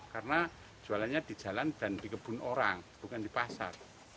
karena jualannya di jalan dan di kebun orang bukan di pasar